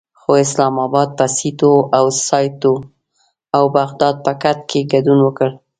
خو اسلام اباد په سیتو او سیاتو او بغداد پکت کې ګډون وکړ.